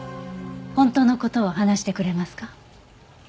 本当の事を話してくれますか？